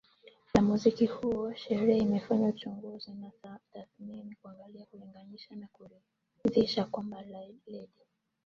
la muziki huo Starehe imefanya uchunguzi na tathmini kuangalia kulinganisha na kujiridhisha kwamba Lady